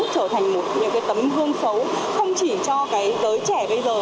trở thành một cái tấm hương xấu không chỉ cho cái đới trẻ bây giờ